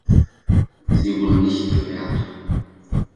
Sie wurde nicht gewährt.